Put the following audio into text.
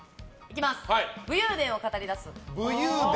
武勇伝を語りだす。